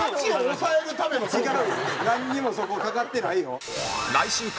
なんにもそこかかってないよ。